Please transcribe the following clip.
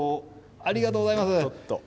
ありがとうございます。